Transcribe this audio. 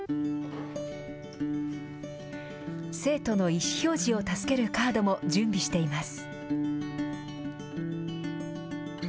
生徒の意思表示を助けるカードも準備しています。